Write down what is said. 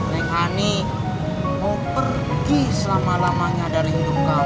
neng ani mau pergi selama lamanya dari hidung kamu